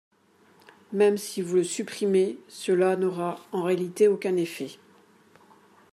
Même si vous le supprimez, cela n’aura en réalité aucun effet.